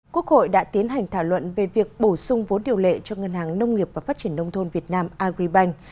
quốc hội đã tiến hành thảo luận về việc bổ sung vốn điều lệ cho ngân hàng nông nghiệp và phát triển nông thôn việt nam agribank